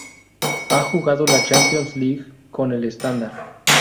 Ha jugado la Champions League con el Standard.